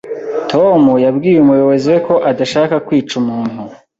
Tom yabwiye umuyobozi we ko adashaka kwica umuntu .